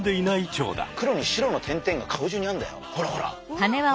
黒に白の点々が顔中にあんだよほらほら。